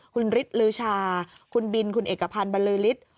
คุณฤทธิ์ลือชาคุณบินคุณเอกพันธ์บรรลือฤทธิ์